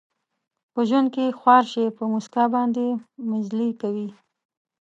په ژوند کې خوار شي، په مسکا باندې مزلې کوي